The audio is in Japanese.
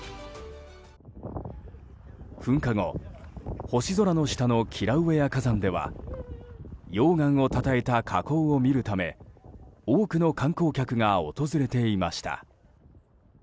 噴火後、星空の下のキラウエア火山では溶岩をたたえた火口を見るため多くの観光客が訪れていました。